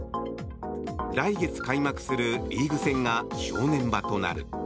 来月開幕するリーグ戦が正念場となる。